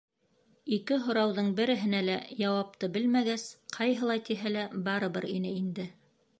Ике һорауҙың береһенә лә яуапты белмәгәс, ҡайһылай тиһә лә барыбер ине инде.